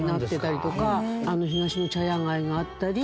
ひがしの茶屋街があったり。